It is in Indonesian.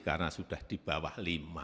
karena sudah di bawah lima